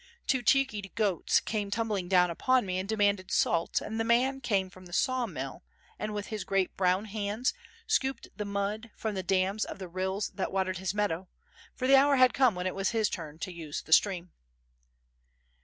Two cheeky goats came tumbling down upon me and demanded salt, and the man came from the saw mill and, with his great brown hands, scooped the mud from the dams of the rills that watered his meadow, for the hour had come when it was his turn to use the stream.